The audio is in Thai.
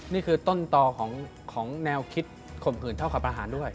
นี่คือต้นต่อของแนวคิดข่มขืนเท่ากับอาหารด้วย